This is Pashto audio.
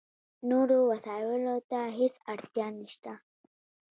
نورو وسایلو ته هېڅ اړتیا نشته.